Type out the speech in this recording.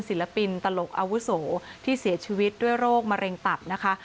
ศิลปินตลกอาวุโสที่เสียชีวิตด้วยโรคมะเร็งตับนะคะ